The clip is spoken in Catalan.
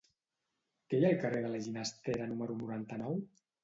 Què hi ha al carrer de la Ginestera número noranta-nou?